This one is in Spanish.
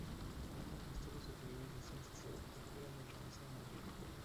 Los estudios superiores de Ciencias y Arquitectura los realiza en Madrid.